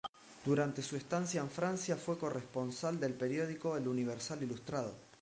Durante su estancia en Francia, fue corresponsal del periódico "El Universal Ilustrado".